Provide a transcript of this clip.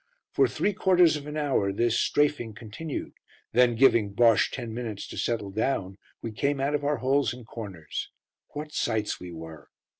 For three quarters of an hour this "strafing" continued, then giving Bosche ten minutes to settle down we came out of our holes and corners. What sights we were!